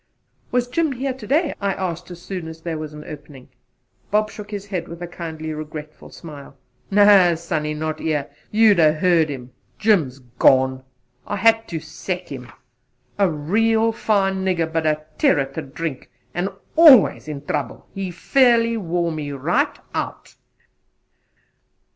"Was Jim here to day?" I asked, as soon as there was an opening. Bob shook his head with a kindly regretful smile. "No, Sonny, not here; you'd 'a' heard him. Jim's gone. I had to sack him. A real fine nigger, but a terror to drink, and always in trouble. He fairly wore me right out."